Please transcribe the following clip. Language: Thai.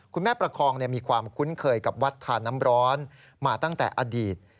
ประคองมีความคุ้นเคยกับวัดทานน้ำร้อนมาตั้งแต่อดีต